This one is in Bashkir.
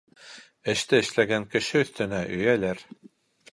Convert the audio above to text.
Эште эшләгән кеше өҫтөнә өйәләр.